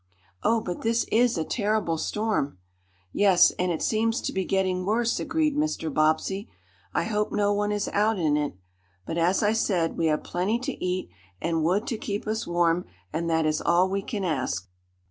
"Oh, but this is a terrible storm!" "Yes, and it seems to be getting worse," agreed Mr. Bobbsey. "I hope no one is out in it. But, as I said, we have plenty to eat, and wood to keep us warm, and that is all we can ask."